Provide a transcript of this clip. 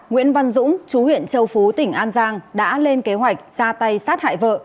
nguyễn văn dũng chú huyện châu phú tỉnh an giang đã lên kế hoạch ra tay sát hại vợ